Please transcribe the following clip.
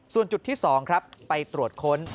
ส่วนจุดที่๒ครับไปตรวจค้น